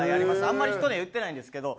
あんまり人には言ってないんですけど。